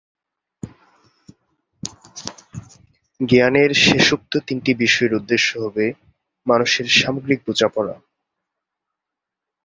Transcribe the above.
জ্ঞানের শেষোক্ত তিনটি বিষয়ের উদ্দেশ্য হবে মানুষের সামগ্রিক বোঝাপড়া।